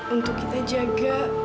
untuk kita jaga